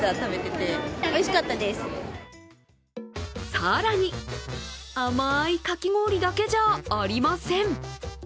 更に、甘いかき氷だけじゃありません。